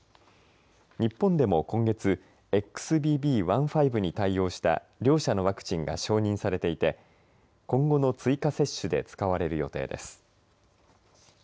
日本でも今月ＸＢＢ．１．５に対応した両社のワクチンが承認されていて今後の追加接種で使われる予定です。